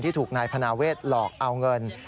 ถูกนายพนาเวทหลอกเอาเงิน